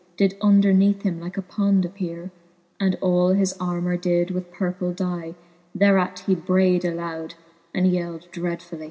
Did underneath him like a pond appeare, And all his armour did with purple dye; Thereat he brayed loud, and yelled dreadfully.